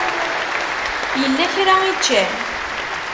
Yella kra i ččan?